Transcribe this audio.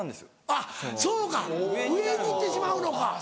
あっそうか上に行ってしまうのか。